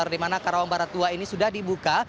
dimana karawang barat dua ini sudah dibuka